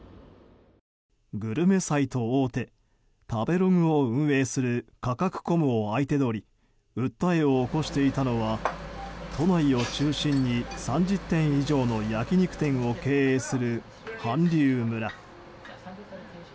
グルメサイト大手食べログを運営するカカクコムを相手取り訴えを起こしていたのは都内を中心に３０店以上の焼き肉店を経営する韓流村。